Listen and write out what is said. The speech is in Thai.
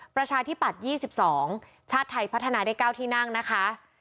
ประชาธิปัตย์๒๒ชาติไทยพัฒนาได้๙ที่นั่งนะคะ